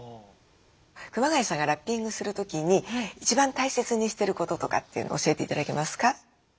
熊谷さんがラッピングする時に一番大切にしていることとかっていうのを教えて頂けますか？